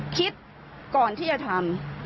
คิดก่อนที่จะทำ